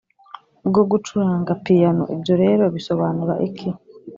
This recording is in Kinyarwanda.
bwo gucuranga piyano Ibyo rero bisobanura iki